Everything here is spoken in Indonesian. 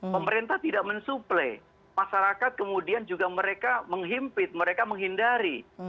pemerintah tidak mensuplai masyarakat kemudian juga mereka menghimpit mereka menghindari